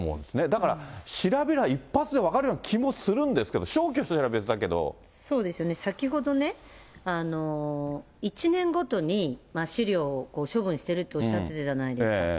だから、調べりゃ一発で分かるような気もするんですけど、そうですよね、先ほどね、１年ごとに資料を処分してるっておっしゃってたじゃないですか。